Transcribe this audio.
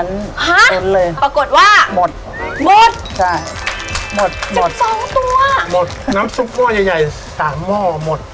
น้ำสุปหม้อใหญ่สามหม้อหมด